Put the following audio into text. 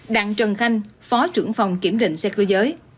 đặng trần khanh phó trưởng phòng kiểm định xe cơ giới